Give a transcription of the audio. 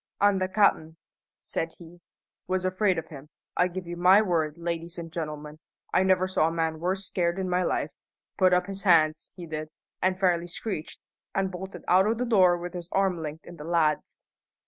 "An' the cap'n," said he, "was afraid of him. I give you my word, ladies and gentlemen, I never saw a man worse scared in my life. Put up his hands, he did, an' fairly screeched, an' bolted out o' the door with his arm linked in the lad's."